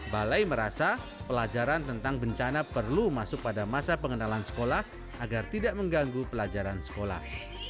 balai merasa pelajaran tentang bencana perlu masuk pada masa pengenalan sekolah agar tidak mengganggu pelajaran sekolah